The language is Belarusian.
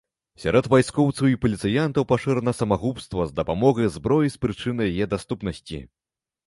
Сярод вайскоўцаў і паліцыянтаў пашырана самагубства з дапамогай зброі з прычыны яе даступнасці.